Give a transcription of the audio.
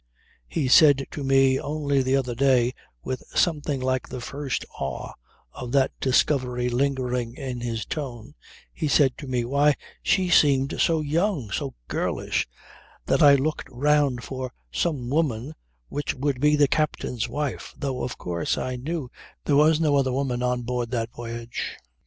"He said to me only the other day with something like the first awe of that discovery lingering in his tone he said to me: "Why, she seemed so young, so girlish, that I looked round for some woman which would be the captain's wife, though of course I knew there was no other woman on board that voyage."